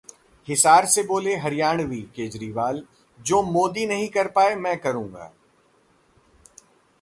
हिसार से बोले 'हरियाणवी' केजरीवाल, 'जो मोदी नहीं कर पाए मैं करूंगा'